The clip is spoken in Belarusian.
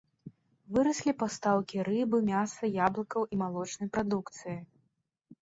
Выраслі пастаўкі рыбы, мяса, яблыкаў і малочнай прадукцыі.